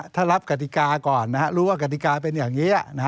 ถ้ารับกฎิกาก่อนรู้ว่ากติกาเป็นอย่างนี้